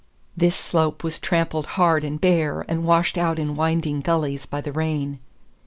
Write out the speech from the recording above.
This slope was trampled hard and bare, and washed out in winding gullies by the rain.